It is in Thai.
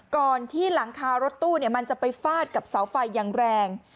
ก่อนที่หลังคารถตู้มันจะไปฟาดกับเสาไฟอย่างแรง